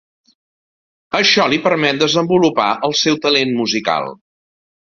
Això li permet desenvolupar el seu talent musical.